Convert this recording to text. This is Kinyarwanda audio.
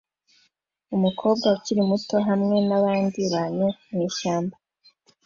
Umukobwa ukiri muto hamwe nabandi bantu mwishyamba